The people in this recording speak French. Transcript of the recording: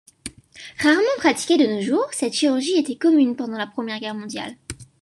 Rarement pratiquée de nos jours, cette chirurgie était commune pendant la Première Guerre mondiale.